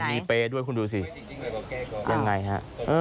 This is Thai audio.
มีเป๊ด้วยคุณดูสิยังไงฮะ